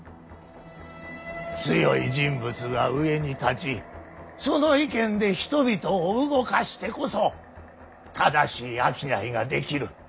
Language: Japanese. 強い人物が上に立ちその意見で人々を動かしてこそ正しい商いができる。